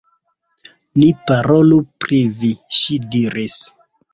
Ni parolu pri vi, ŝi diris.